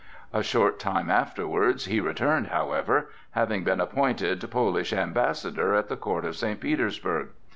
A short time afterwards he returned, however, having been appointed Polish Ambassador at the court of St. Petersburg.